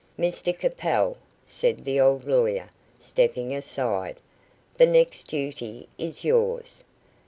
"Mr Capel," said the old lawyer, stepping aside, "the next duty is yours.